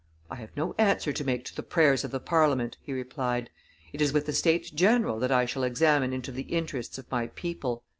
"I have no answer to make to the prayers of the Parliament," he replied; "it is with the States general that I shall examine into the interests of my people."